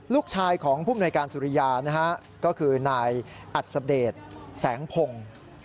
ลูกชายของผู้บุญการสุริยานะครับก็คือนายอัตศัพเดชแสงพงศ์